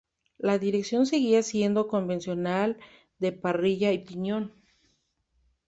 La dirección seguía siendo convencional de parrilla y piñón.